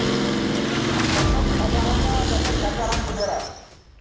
dua bergetar ke tangan seratus